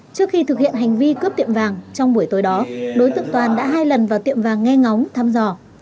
trước khi thực hiện hành vi cướp tiệm vàng trong buổi tối đó đối tượng toàn đã hai lần vào tiệm vàng nghe ngóng thăm dò